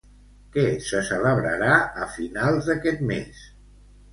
Què se celebrarà a finals d'aquest mes?